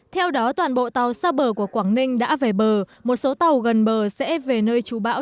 theo đó toàn bộ tàu xa bờ của quảng ninh đã về bờ một số tàu gần bờ sẽ về nơi trụ bão